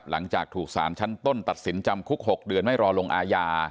หลังจากถูกสารชั้นต้นตัดสินจำคุก๖เดือนไม่รอลงอาญา